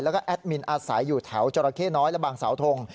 แล้วก็แอดมินอาศัยอยู่แถวจราเข้น้อยและบางสาวทง